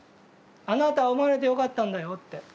「あなたは生まれてよかったんだよ」って。